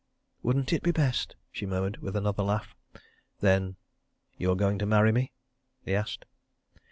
"Wouldn't it be best?" she murmured with another laugh. "Then you're going to marry me?" he asked.